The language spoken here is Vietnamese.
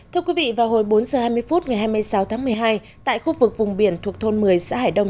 thưa quý vị vào hồi bốn h hai mươi phút ngày hai mươi sáu tháng một mươi hai tại khu vực vùng biển thuộc thôn một mươi xã hải đông